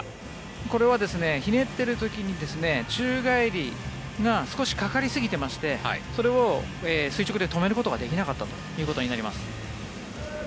これはひねっている時に宙返りが少しかかりすぎてましてそれを垂直で止めることができなかったということになります。